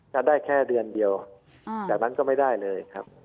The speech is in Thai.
ถ้าได้แค่เดือนเดียวจากนั้นก็ไม่ได้เลยครับ